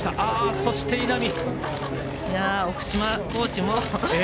そして稲見。